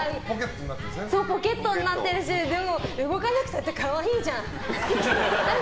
ポケットになってるし、でも動かなくたって可愛いじゃん！